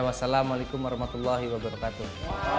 wassalamualaikum warahmatullahi wabarakatuh